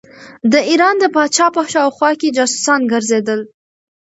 د ایران د پاچا په شاوخوا کې جاسوسان ګرځېدل.